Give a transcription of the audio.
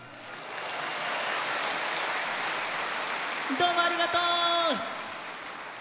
どうもありがとう！